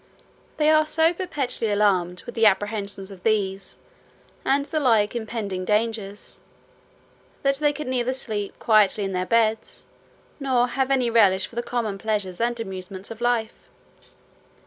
They are so perpetually alarmed with the apprehensions of these, and the like impending dangers, that they can neither sleep quietly in their beds, nor have any relish for the common pleasures and amusements of life.